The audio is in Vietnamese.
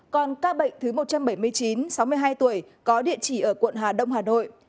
còn ca bệnh thứ một trăm bảy mươi chín sáu mươi hai tuổi có địa chỉ ở quận hà đông hà nội